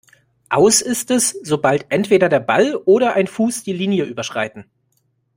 Aus ist es, sobald entweder der Ball oder ein Fuß die Linie überschreiten.